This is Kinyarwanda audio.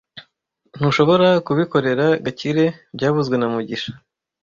Ntushobora kubikorera Gakire byavuzwe na mugisha